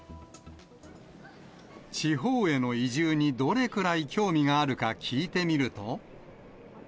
地方への移住にどれくらい興味があるか聞いてみると。